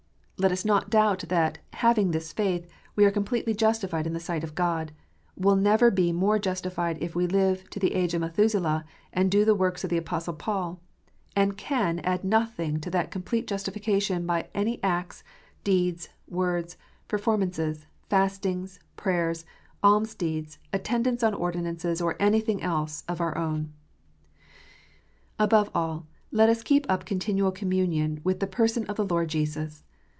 Lot us not doubt that, having this faith, we arc com pletely justified in the sight of God, will never be more justified if we live to the age of Methuselah and do the works of the Apostle Paul, and CAN add nothing to that complete justification by any acts, deeds, words, performances, fastings, prayers, almsdeeds, attendance on ordinances, or anything else of our own. Above all, let us keep up continual communion with the person of the Lord Jesus